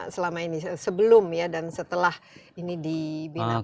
selama ini sebelum ya dan setelah ini dibina